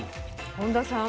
本田さん